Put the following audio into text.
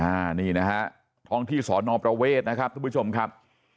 อันนี้นะฮะท้องที่สอนอประเวทนะครับทุกผู้ชมครับ